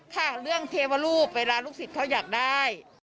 ค่ะเรื่องเทวรูปเวลาลูกศิษย์เขาอยากได้